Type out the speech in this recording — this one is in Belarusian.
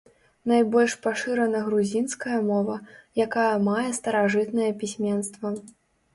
Найбольш пашырана грузінская мова, якая мае старажытнае пісьменства.